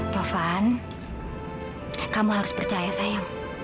taufan kamu harus percaya sayang